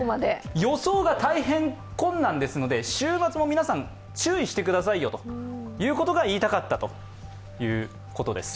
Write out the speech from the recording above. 予想が大変困難ですので、週末も皆さん、注意してくださいよということが言いたかったということです。